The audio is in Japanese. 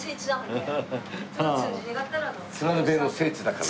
津軽弁の聖地だから。